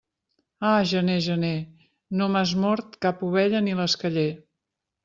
Ah, gener, gener, no m'has mort cap ovella ni l'esqueller.